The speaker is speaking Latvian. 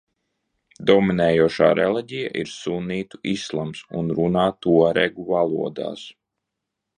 Dominējošā reliģija ir sunnītu islāms un runā tuaregu valodās.